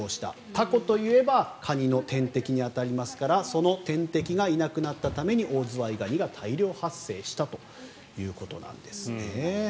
タコといえばカニの天敵に当たりますからその天敵がいなくなったためにオオズワイガニが大量発生したということなんです。